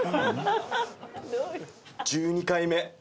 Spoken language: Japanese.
１２回目。